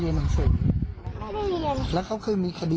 เดี๋ยวตอนสังคมจะได้หุ่นใหม่ด้วยเขาจะกินด้วยค่ะแล้วปกติก็ทำอะไร